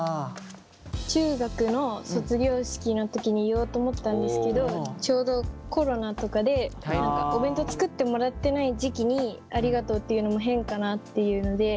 中学の卒業式の時に言おうと思ったんですけどちょうどコロナとかでお弁当作ってもらってない時期にありがとうって言うのも変かなっていうので。